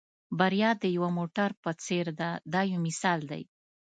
بریا د یو موټر په څېر ده دا یو مثال دی.